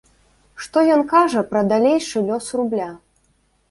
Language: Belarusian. Што ён кажа пра далейшы лёс рубля?